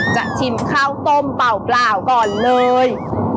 จะชิมข้าวต้มเปล่าก่อนเลย